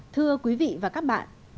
thưa quý vị và các bạn